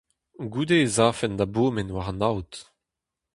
Goude ez afen da bourmen war an aod.